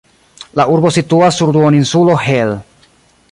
La urbo situas sur duoninsulo Hel.